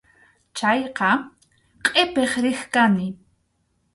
Chayqa qʼipiq riq kani.